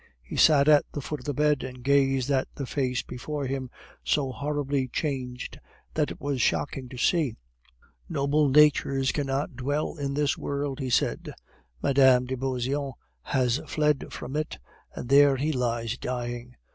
He sat at the foot of the bed, and gazed at the face before him, so horribly changed that it was shocking to see. "Noble natures cannot dwell in this world," he said; "Mme de Beauseant has fled from it, and there he lies dying.